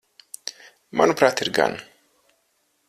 Manuprāt, ir gan.